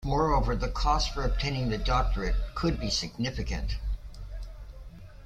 Moreover, the costs for obtaining the doctorate could be significant.